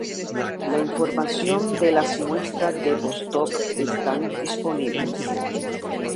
La información de las muestras de Vostok están disponibles.